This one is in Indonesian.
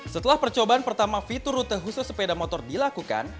setelah percobaan pertama fitur rute khusus sepeda motor dilakukan